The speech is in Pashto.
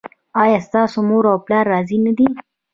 ایا ستاسو مور او پلار راضي نه دي؟